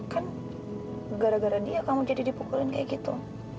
kan gara gara dia kamu jadi dipukulin kayak gitu